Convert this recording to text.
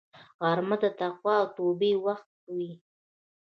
غرمه د تقوا او توبې وخت وي